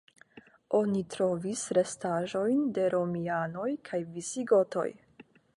Oni trovis restaĵojn de romianoj kaj visigotoj.